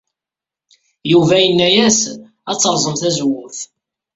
Yuba yenna-as ad terẓem tazewwut.